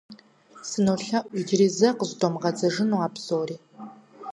СынолъэӀу иджыри зэ къыщӀыдомыгъэдзэжыну а псори.